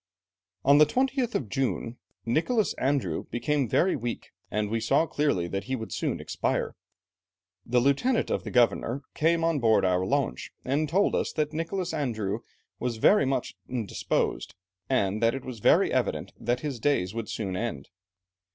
"On the 20th of June Nicholas Andrieu became very weak, and we saw clearly that he would soon expire. The lieutenant of the governor came on board our launch, and told us that Nicholas Andrieu was very much indisposed, and that it was very evident that his days would soon end.